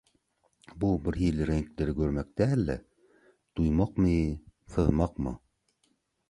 Bu bir hili reňkleri görmek däl-de, duýmakmy, syzmakmy…